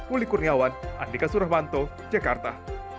uli kurniawan andika suramanto jakarta